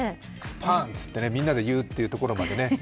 パンツ！ってみんなで言うってところまでね。